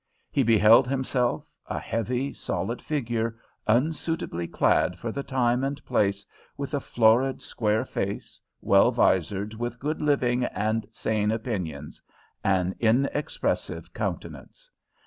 He beheld himself a heavy, solid figure, unsuitably clad for the time and place, with a florid, square face, well visored with good living and sane opinions an inexpressive countenance.